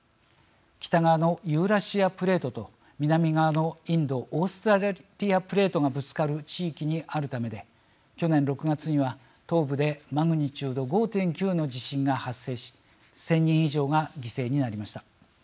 北側のユーラシアプレートと南側のインド・オーストラリアプレートがぶつかる地域にあるためで去年６月には東部でマグニチュード５．９の地震が発生し１，０００人以上が犠牲になりました。